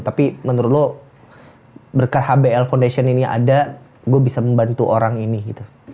tapi menurut lo berkah hbl foundation ini ada gue bisa membantu orang ini gitu